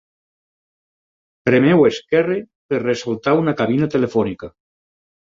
Premeu esquerre per ressaltar una cabina telefònica.